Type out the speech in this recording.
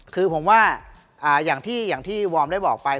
คือผมว่าอย่างที่วอร์มได้บอกไป